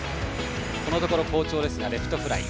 このところ好調ですがレフトフライ。